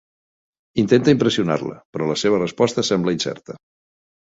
Intenta impressionar-la, però la seva resposta sembla incerta.